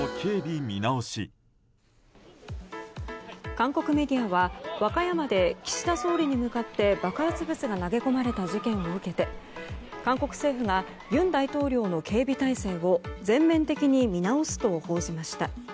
韓国メディアは和歌山で岸田総理に向かって爆発物が投げ込まれた事件を受けて韓国政府が尹大統領の警備体制を全面的に見直すと報じました。